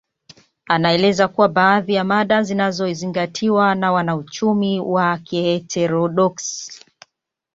Anaeleza kuwa baadhi ya mada zinazozingatiwa na wanauchumi wa kiheterodoksi